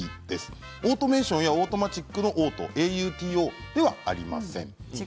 オートメーションやオートマチックのオートではありません。